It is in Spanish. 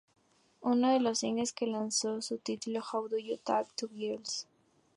Uno de los singles que lanzó se tituló "How Do You Talk To Girls.